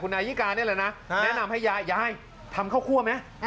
นายยิกานี่แหละนะแนะนำให้ยายยายทำข้าวคั่วไหม